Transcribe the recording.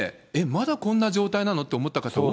まだこんな状態なの？って思った方